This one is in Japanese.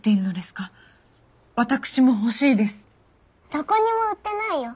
どこにも売ってないよ。